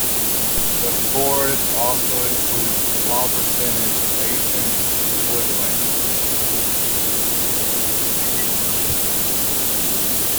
The forest also includes a small percentage of ancient woodland.